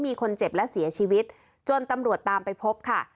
มีคนเจ็บและเสียชีวิตจนตำรวจตามไปพบค่ะ